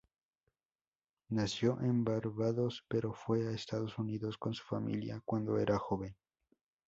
Nació en Barbados, pero fue a Estados Unidos con su familia cuando era joven.